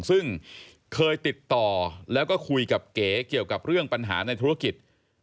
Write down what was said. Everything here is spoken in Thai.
ซึ่งเคยติดต่อแล้วก็คุยกับเก๋เกี่ยวกับเรื่องปัญหาในธุรกิจ